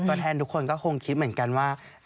ตอนแรกประเทศทุกคนก็คิดเหมือนกันว่า